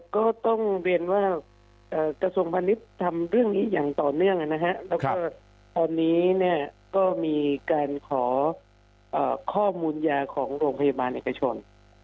ก็ต้องเรียนว่ากระทรวงพาณิชย์ทำเรื่องนี้อย่างต่อเนื่องนะฮะแล้วก็ตอนนี้เนี่ยก็มีการขอข้อมูลยาของโรงพยาบาลเอกชน